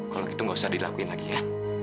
kalau gitu nggak usah dilakuin lagi ya